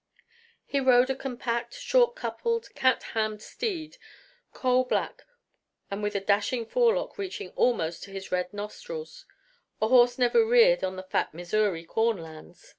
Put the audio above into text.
He rode a compact, short coupled, cat hammed steed, coal black and with a dashing forelock reaching almost to his red nostrils a horse never reared on the fat Missouri corn lands.